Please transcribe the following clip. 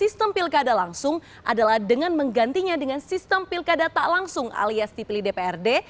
sistem pilkada langsung adalah dengan menggantinya dengan sistem pilkada tak langsung alias dipilih dprd